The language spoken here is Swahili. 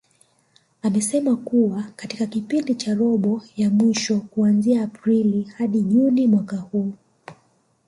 Amesema kuwa katika kipindi cha robo ya mwisho kuanzia Aprili hadi Juni mwaka huu